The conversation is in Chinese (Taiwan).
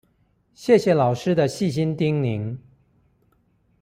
謝謝老師的細心叮嚀